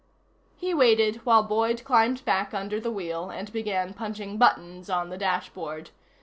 He waited while Boyd climbed back under the wheel and began punching buttons on the dashboard.